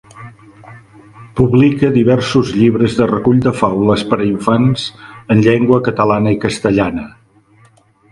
Publica diversos llibres de recull de faules per a infants en llengua catalana i castellana.